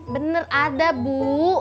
bener ada bu